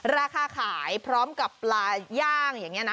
ราคาขายพร้อมกับปลาย่างอย่างนี้นะ